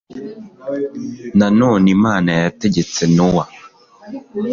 nanone imana yategetse nowa